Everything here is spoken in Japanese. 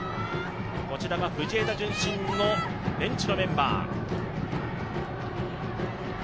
こちらが藤枝順心のベンチのメンバー。